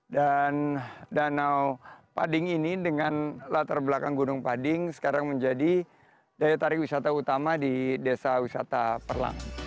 dan danau pading ini dengan latar belakang gunung pading sekarang menjadi daya tarik wisata utama di desa wisata perlang